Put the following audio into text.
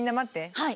はい。